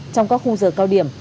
trong các khung giờ cao điểm